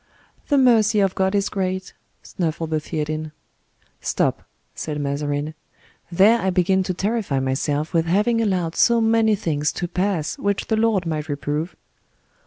"The mercy of God is great," snuffled the Theatin. "Stop," said Mazarin; "there I begin to terrify myself with having allowed so many things to pass which the Lord might reprove."